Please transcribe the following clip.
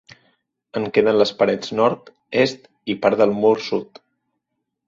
En queden les parets nord, est i part del mur sud.